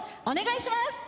お願いします。